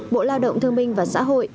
bộ lao động thương minh và xã hội